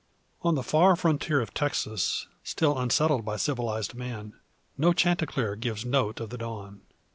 On the far frontier of Texas, still unsettled by civilised man, no chanticleer gives note of the dawn.